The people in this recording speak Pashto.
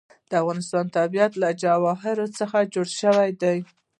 د افغانستان طبیعت له جواهرات څخه جوړ شوی دی.